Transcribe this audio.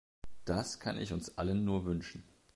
Das kann ich uns allen nur wünschen.